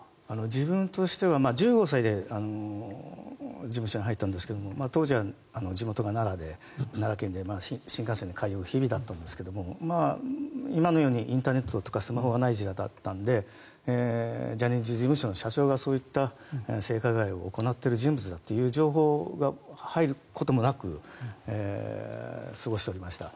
自分としては１５歳で事務所に入ったんですけども当時は地元が奈良県で新幹線で通う日々だったんですが今のようにインターネットとかスマホがない時代だったのでジャニーズ事務所がそういった性加害を行っている人物だという情報が入ることもなく過ごしておりました。